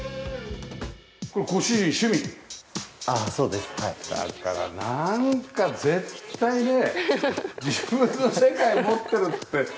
だからなんか絶対ね自分の世界持ってるって。